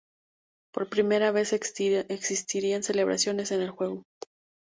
Por primera vez, existirán celebraciones en el juego.